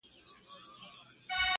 لکه باغوان چي پر باغ ټک وهي لاسونه؛